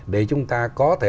để chúng ta có thể